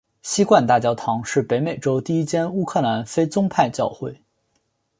锡罐大教堂是北美洲第一间乌克兰非宗派教会。